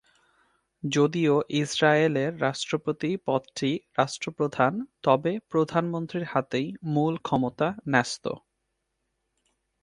যদিও ইসরায়েলের রাষ্ট্রপতি পদটি রাষ্ট্রপ্রধান তবে প্রধানমন্ত্রীর হাতেই মূল ক্ষমতা ন্যস্ত।